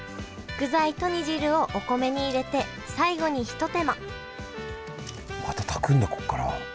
具材と煮汁をお米に入れて最後にひと手間また炊くんだここから。